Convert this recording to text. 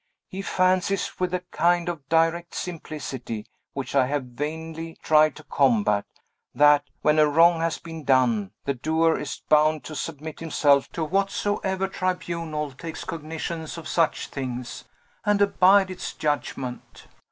He fancies, with a kind of direct simplicity, which I have vainly tried to combat, that, when a wrong has been done, the doer is bound to submit himself to whatsoever tribunal takes cognizance of such things, and abide its judgment.